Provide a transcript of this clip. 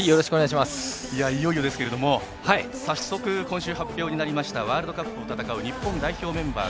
いよいよですが早速、今週発表になりましたワールドカップを戦う日本代表メンバー